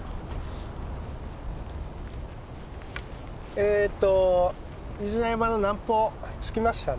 えっと飯縄山の南峰着きましたね。